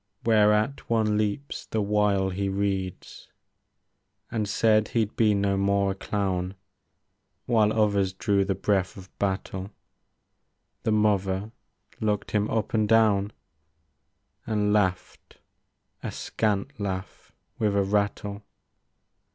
Whereat one leaps the while he reads. And said he'd be no more a clown. While others drew the breath of battle. — The mother looked him up and down. And laughed — a scant laugh with a rattle.